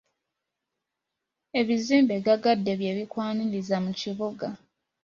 Ebizimbe gaggadde bye bikwaniriza mu kibuga.